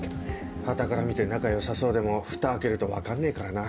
はたから見て仲良さそうでもふた開けると分かんねえからな。